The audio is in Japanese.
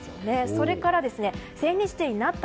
それから千日手になった